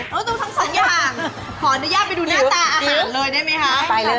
ต้องดูทั้งสองอย่างขออนุญาตไปดูหน้าตาอาหารเลยได้ไหมคะ